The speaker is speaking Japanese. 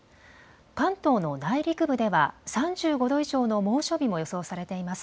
関東の内陸部では３５度以上の猛暑日も予想されています。